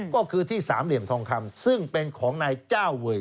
ก็คือที่สามเหลี่ยมทองคำซึ่งเป็นของนายเจ้าเวย